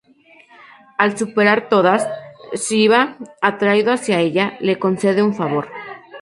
Al superar todas, Shiva atraído hacia ella, le concede un favor.